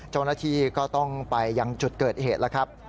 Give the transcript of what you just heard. เจ้าหน้าที่ก็ต้องไปยังจุดเกิดเหตุแล้วครับ